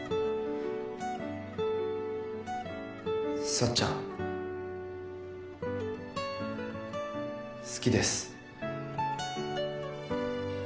さっちゃん好きです。